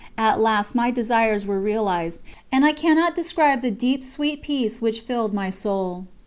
At last my desires were realised, and I cannot describe the deep sweet peace which filled my soul.